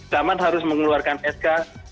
camat harus mengeluarkan sk